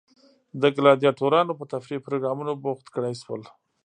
د ګلادیاتورانو په تفریحي پروګرامونو بوخت کړای شول.